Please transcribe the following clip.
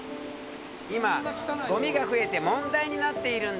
今ごみが増えて問題になっているんだ。